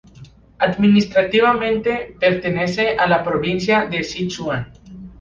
Administrativamente, pertenece a la provincia de Sichuan.